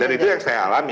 dan itu yang saya alami